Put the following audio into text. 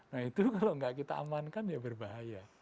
nah itu kalau nggak kita amankan ya berbahaya